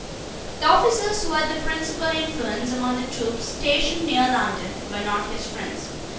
The officers who had the principal influence among the troops stationed near London were not his friends.